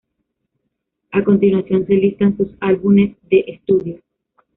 A continuación se listan sus álbumes de estudio.